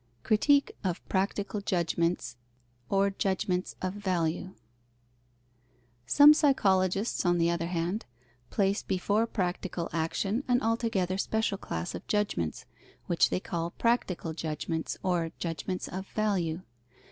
Critique of practical judgments or judgments of value. Some psychologists, on the other hand, place before practical action an altogether special class of judgments, which they call practical judgments or judgments of value.